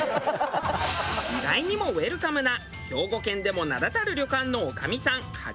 意外にもウェルカムな兵庫県でも名だたる旅館の女将さん８名。